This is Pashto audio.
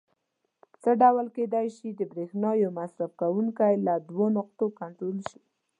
څه ډول کېدای شي د برېښنا یو مصرف کوونکی له دوو نقطو کنټرول شي؟